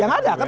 ya nggak ada